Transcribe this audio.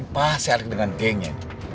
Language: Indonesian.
pasti alek dengan gengnya